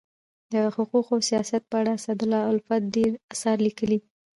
د حقوقو او سیاست په اړه اسدالله الفت ډير اثار لیکلي دي.